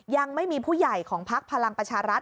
ยังไม่มีผู้ใหญ่ของพักพลังประชารัฐ